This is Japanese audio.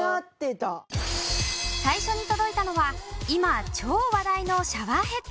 最初に届いたのは今超話題のシャワーヘッド。